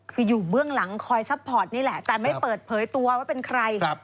คืออยู่เบื้องหลังคอยซัพพอร์ตนี่แหละแต่ไม่เปิดเผยตัวว่าเป็นใคร